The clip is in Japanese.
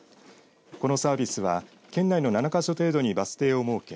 このサービスは県内の７か所程度にバス停を設け